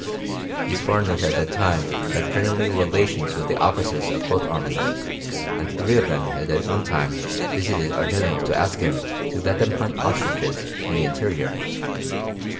These foreigners at that time had friendly relations with the officers of both armies, and three of them had at one time visited our General to ask him to let them hunt ostriches in the interior.